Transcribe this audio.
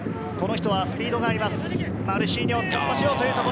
この人はスピードがあります、マルシーニョ。